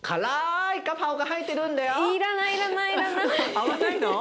合わないの？